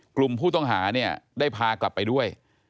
กลุ่มผู้ต้องหาเนี่ยได้พากลับไปด้วย